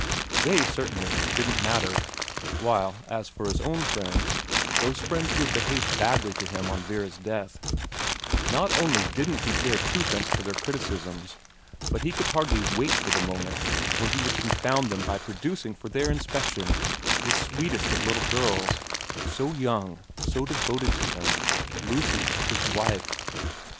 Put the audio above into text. They, certainly, didn't matter ; while as for his own friends, those friends who had behaved badly to him on Vera's death, not only didn't he care twopence for their criticisms but he could hardly wait for the moment when he would confound them by producing for their inspection this sweetest of little girls, so young, so devoted to him, Lucy his wife.